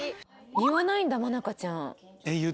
言わないんだ愛香ちゃん。